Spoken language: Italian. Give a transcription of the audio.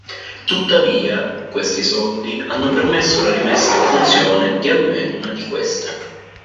Tuttavia, questi soldi hanno permesso la rimessa in funzione di almeno una di queste.